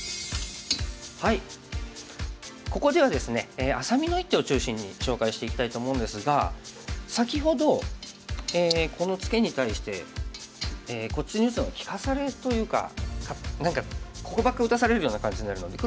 ここではですねあさみの一手を中心に紹介していきたいと思うんですが先ほどこのツケに対してこっちに打つのが利かされというか何かここばっか打たされるような感じになるので黒